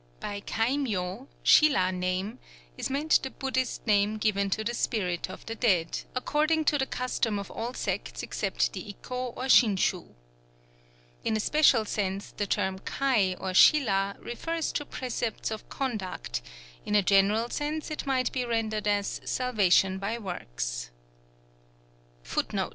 By kai myō (sîla name) is meant the Buddhist name given to the spirit of the dead, according to the custom of all sects except the Ikkō or Shinshū. In a special sense the term kai, or sîla, refers to precepts of conduct; in a general sense it might be rendered as "salvation by works."